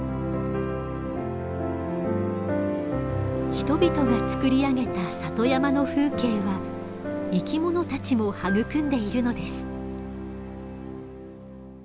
人々が作り上げた里山の風景は生き物たちも育んでいるのです。